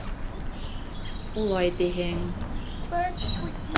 Улай тиһең...